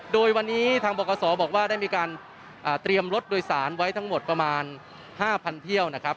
โดยวันนี้ทางบกษบอกว่าได้มีการเตรียมรถโดยสารไว้ทั้งหมดประมาณ๕๐๐เที่ยวนะครับ